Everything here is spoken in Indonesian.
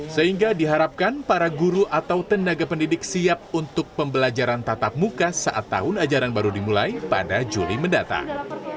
sehingga diharapkan para guru atau tenaga pendidik siap untuk pembelajaran tatap muka saat tahun ajaran baru dimulai pada juli mendatang